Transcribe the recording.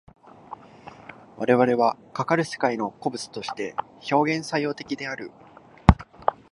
我々はかかる世界の個物として表現作用的である。